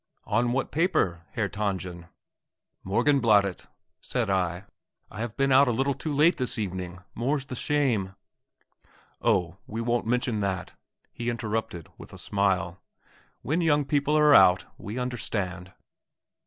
"On what paper, Herr Tangen?" "Morgenbladet!" said I. "I have been out a little too late this evening, more's the shame!" "Oh, we won't mention that," he interrupted, with a smile; "when young people are out ... we understand!"